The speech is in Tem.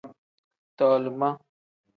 Tolima.